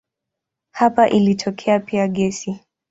Hapa ilitokea pia gesi.